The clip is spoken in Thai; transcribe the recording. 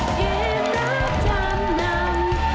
เกมรับจำนำ